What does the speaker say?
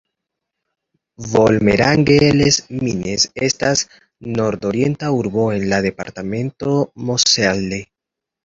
Volmerange-les-Mines estas nordorienta urbo en la departemento Moselle.